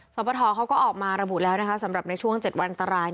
สวทธธอเหรอออกมาระบุแล้วนะคะสำหรับในช่วง๗วันตราย